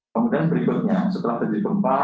kemudian berikutnya setelah terjadi gempa